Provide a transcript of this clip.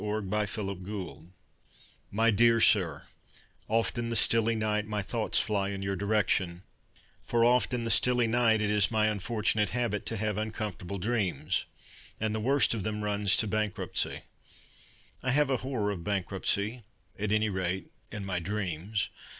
TO AN HOTEL KEEPER My dear Sir, Oft in the stilly night My thoughts fly In your direction, For oft in the stilly night It is my unfortunate habit To have uncomfortable dreams, And the worst of them Runs to bankruptcy. I have a horror of bankruptcy, At any rate in my dreams.